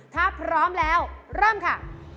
ถ้าพร้อมแล้วเริ่มค่ะ